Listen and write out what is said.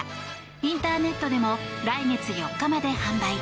インターネットでも来月４日まで販売。